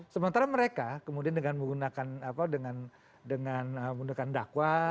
sementara mereka kemudian dengan menggunakan dakwah